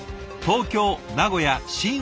東京名古屋新